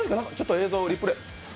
映像、リプレー。